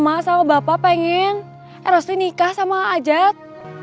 masak sama bapak pengen eros tuh nikah sama a'ajat